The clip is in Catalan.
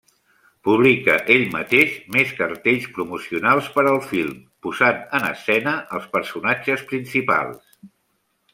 Publica el mateix mes cartells promocionals per al film posant en escena els personatges principals.